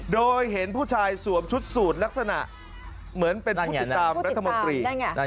โดยเห็นผู้ชายสวมชุดสูตรลักษณะเหมือนเป็นผู้ติดตามรัฐมนตรี